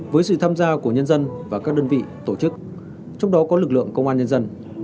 với sự tham gia của nhân dân và các đơn vị tổ chức trong đó có lực lượng công an nhân dân